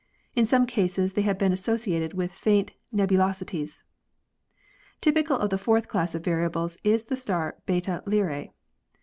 In some cases they have been associated with faint nebulosities. Typical of the fourth class of variables is the star Beta Lyras.